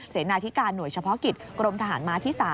เสนาธิการหน่วยเฉพาะกิจกรมทหารม้าที่๓